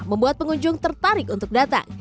membuat pengunjung tertarik untuk datang